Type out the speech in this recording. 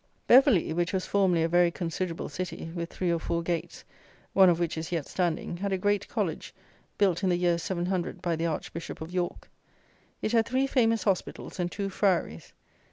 Beverley, which was formerly a very considerable city, with three or four gates, one of which is yet standing, had a great college, built in the year 700 by the Archbishop of York. It had three famous hospitals and two friaries.